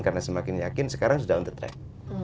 karena semakin yakin sekarang sudah on the track